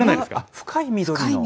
深い緑色。